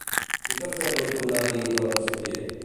I per fer-lo tornar a dins el recipient?